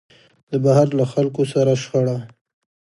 د بهير له خلکو سره شخړه.